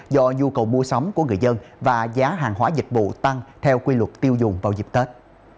do nhu cầu mua sắm của người dân và giá hàng hóa dịch vụ tăng theo quy luật tiêu dùng vào dịp tết